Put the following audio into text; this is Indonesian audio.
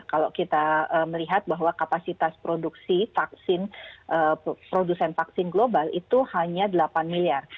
kalau kita melihat bahwa kapasitas produksi vaksin produsen vaksin global itu hanya delapan miliar